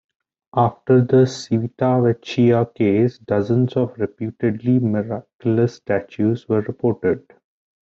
After the Civitavecchia case, dozens of reputedly miraculous statues were reported.